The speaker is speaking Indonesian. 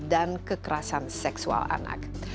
dan kekerasan seksual anak